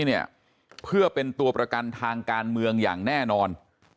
เนี่ยเพื่อเป็นตัวประกันทางการเมืองอย่างแน่นอน